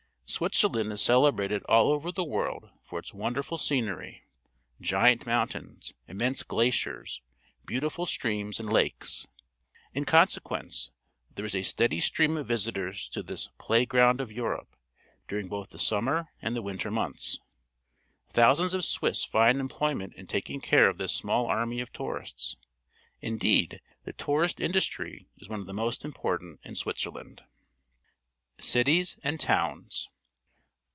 Switzerland is celebrated all over the world for its wonderful scenery — giant mountains, immense glaciers, beautiful streams and lakes. In consequence, there is a steady stream of visitors to this "plaj ground of Europe" during both the summer and the winter months. Thousands of Swiss find employment in taking care of this small army of tourists. Indeed, the "tourist industry" is one of the most important in Switzerland. Cities and Towns.